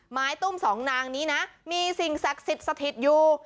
ไม้ตุ้มสองนางนี้นะมีสิ่งศักดิ์สิทธิ์สถิตอยู่